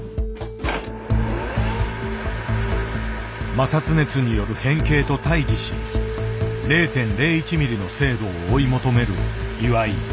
摩擦熱による変形と対峙し０．０１ミリの精度を追い求める岩井。